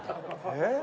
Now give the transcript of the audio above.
えっ？